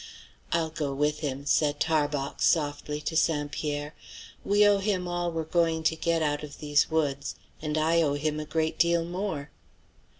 "I'll go with him," said Tarbox softly to St. Pierre. "We owe him all we're going to get out of these woods, and I owe him a great deal more."